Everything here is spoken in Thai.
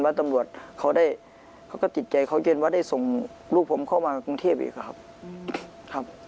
แล้วตำรวจเขาได้เขาก็จิตใจเขาเย็นว่าได้ส่งลูกผมเข้ามากรุงเทพอีกครับ